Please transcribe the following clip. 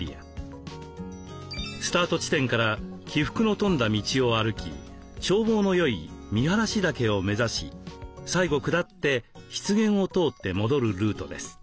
スタート地点から起伏の富んだ道を歩き眺望の良い見晴岳を目指し最後下って湿原を通って戻るルートです。